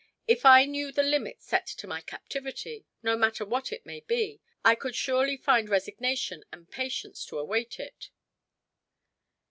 If I knew the limit set to my captivity no matter what it may be I could surely find resignation and patience to await it."